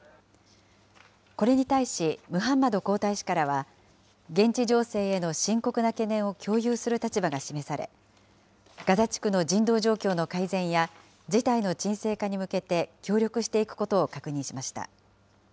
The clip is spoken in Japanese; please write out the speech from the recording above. これに対し、ムハンマド皇太子からは現地情勢への深刻な懸念を共有する立場が示され、ガザ地区の人道状況の改善や、事態の沈静化に向けて協力していくことを確認しました。